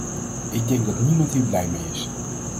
Ik denk dat niemand hier blij mee is.